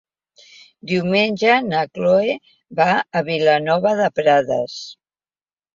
Diumenge na Chloé va a Vilanova de Prades.